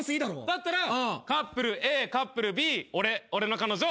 だったらカップルＡカップルＢ俺俺の彼女。